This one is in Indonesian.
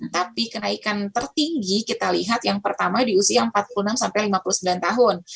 tapi kenaikan tertinggi kita lihat yang pertama di usia empat puluh enam sampai lima puluh sembilan tahun